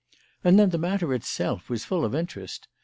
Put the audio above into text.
And then the matter itself was full of interest.